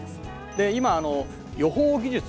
今予報技術